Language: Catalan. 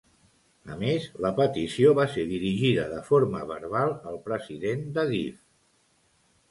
A més, la petició va ser dirigida de forma verbal al president d'Adif.